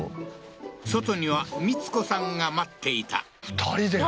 外には光子さんが待っていた２人で？